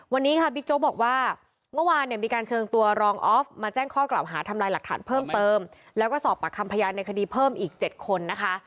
วันนี้ค่ะบิ๊กโจ๊กบอกว่าเมื่อวานเนี่ยมีการเชิญตัวรองออฟมาแจ้งข้อกล่าวหาทำลายหลักฐานเพิ่มเติมแล้วก็สอบปากคำพยานในคดีเพิ่มอีก๗คนนะคะ